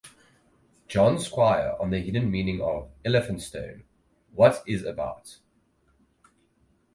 John Squire on the hidden meaning of "Elephant Stone", "What is about?